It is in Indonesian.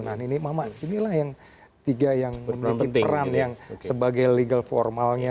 nah ini mama inilah yang tiga yang memiliki peran yang sebagai legal formalnya